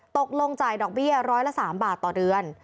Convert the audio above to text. ตกลงจ่ายดอกเบี้ยร้อยละ๓บาทต่อเดือน